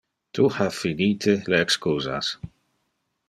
Tu ha finite le excusas.